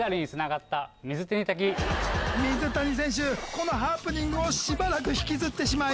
このハプニングをしばらく引きずってしまい。